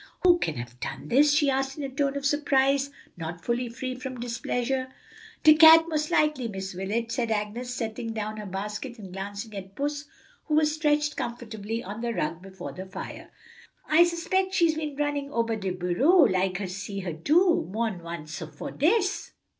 "Who can have done this?" she asked in a tone of surprise not wholly free from displeasure. "De cat, mos' likely, Miss Wilet," said Agnes, setting down her basket and glancing at puss who was stretched comfortably on the rug before the fire. "I s'pect she's been running ober de bureau, like I see her do, mor'n once 'fo' dis."